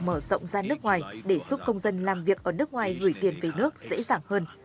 mở rộng ra nước ngoài để giúp công dân làm việc ở nước ngoài gửi tiền về nước dễ dàng hơn